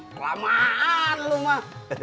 kelamaan lu mah